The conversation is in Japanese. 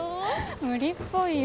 無理っぽいよ。